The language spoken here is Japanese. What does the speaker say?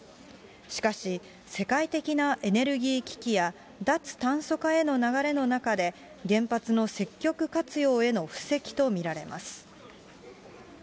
しかし、世界的なエネルギー危機や、脱炭素化への流れの中で原発の積極活用への布石と見られます。